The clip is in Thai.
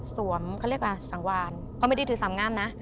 สวมเค้าเรียกว่าสังวานเค้าไม่ได้ถือสามงามนะ